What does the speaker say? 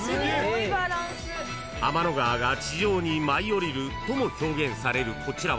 ［天の川が地上に舞い降りるとも表現されるこちらは］